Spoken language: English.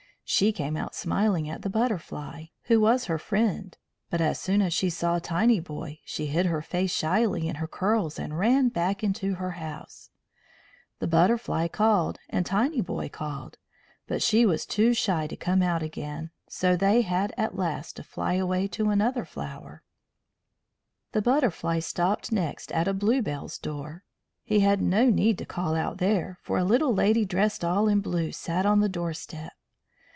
She came out smiling at the Butterfly, who was her friend, but as soon as she saw Tinyboy she hid her face shyly in her curls and ran back into her house. The Butterfly called and Tinyboy called, but she was too shy to come out again, so they had at last to fly away to another flower. [Illustration: "When she saw Tinyboy she hid her face shyly in her curls"] The Butterfly stopped next at a bluebell's door. He had no need to call out there, for a little lady dressed all in blue sat on the doorstep.